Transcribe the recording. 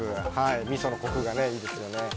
みそのコクがいいですよね。